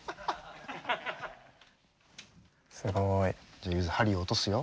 じゃあゆづ針を落とすよ。